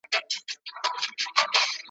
هغه کوهی دی جهاني هغه د وروڼو جفا `